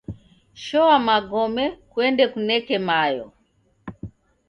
Shoa magome kuende kuneke mayo.